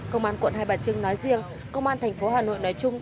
công an quận hai bà trưng nói riêng công an thành phố hà nội nói chung